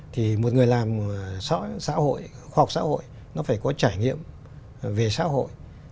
thì một người làm xã hội khoa học xã hội nó phải có trải nghiệm về xã hội